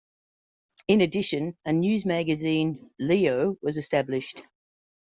In addition, a newsmagazine, "Leo", was established.